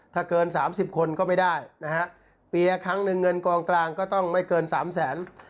ถ้าเกินสามสิบคนก็ไม่ได้นะฮะเปียร์ครั้งหนึ่งเงินกองกลางก็ต้องไม่เกินสามแสน